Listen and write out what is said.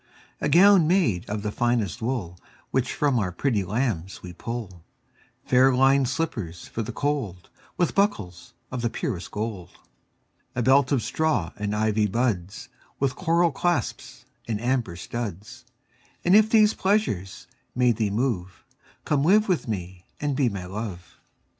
A gown made of the finest wool Which from our pretty lambs we pull; Fair linèd slippers for the cold, 15 With buckles of the purest gold. A belt of straw and ivy buds With coral clasps and amber studs: And if these pleasures may thee move, Come live with me and be my Love.